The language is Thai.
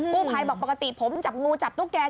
กู้ไพบอกปกติผมจับงูจับตู้แก่